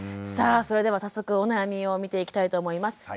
さあそれでは早速お悩みを見ていきたいと思います。